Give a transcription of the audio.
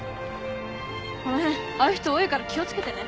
この辺ああいう人多いから気を付けてね。